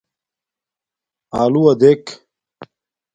آلݸ وݳ دݵک.